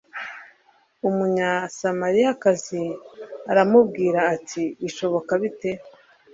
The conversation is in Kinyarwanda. “Umunyasamariyakazi aramubwira ati: ” Bishoboka bite,...